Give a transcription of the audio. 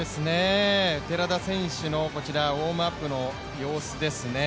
寺田選手のウォームアップの様子ですね。